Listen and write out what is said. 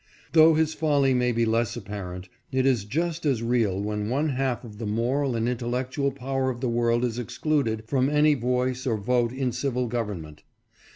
Though his folly may be less apparent, it is just as real when one half of the moral and intellectual power of the world is excluded from any voice or vote in civil government.